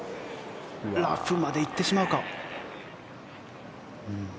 ラフまで行ってしまうか。